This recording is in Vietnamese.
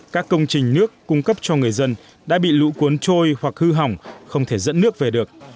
các công trình nước cung cấp cho người dân đã bị lũ cuốn trôi hoặc hư hỏng không thể dẫn nước về được